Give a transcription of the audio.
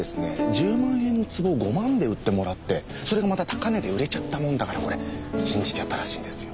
１０万円の壺を５万で売ってもらってそれがまた高値で売れちゃったもんだからこれ信じちゃったらしいんですよ。